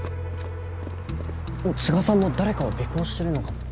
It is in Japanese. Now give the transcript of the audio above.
都賀さんも誰かを尾行してるのかも。